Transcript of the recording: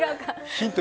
ヒント